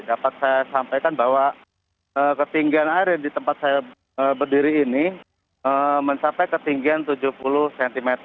dapat saya sampaikan bahwa ketinggian air yang di tempat saya berdiri ini mencapai ketinggian tujuh puluh cm